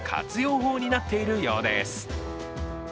法になっているようです。